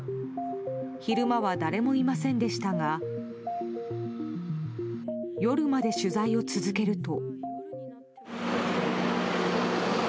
昼間は誰もいませんでしたが夜まで取材を続けると。